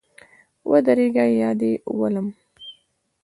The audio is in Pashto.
ودرېږه یا دي ولم